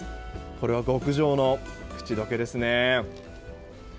これは極上の口溶けですね。